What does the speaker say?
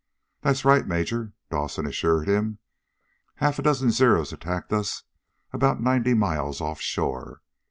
"That's right, Major," Dawson assured him. "Half a dozen Zeros attacked us about ninety miles off shore.